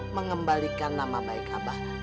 mengembalikan nama baik abah